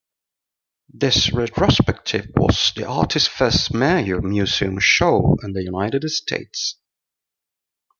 This retrospective was the artist's first major museum show in the United States.